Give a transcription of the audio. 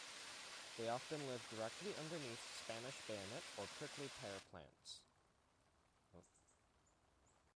They often live directly underneath Spanish bayonet or prickly pear plants.